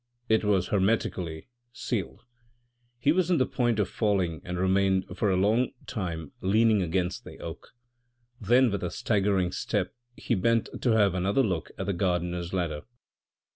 It was hermetically aled; he was on the point of falling and remained for a long hme leaning against the oak ; then with a staggering step he hent to have another look at the gardener's ladder.